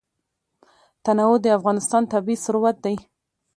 تنوع د افغانستان طبعي ثروت دی.